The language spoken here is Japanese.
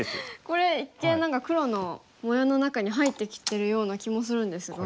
これ一見何か黒の模様の中に入ってきてるような気もするんですが。